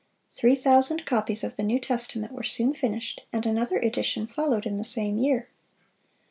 Three thousand copies of the New Testament were soon finished, and another edition followed in the same year.